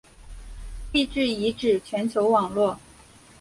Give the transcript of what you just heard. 地质遗址全球网络。